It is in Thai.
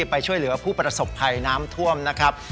ไปช่วยเหลือผู้ประสบภัยน้ำท่วมนะครับ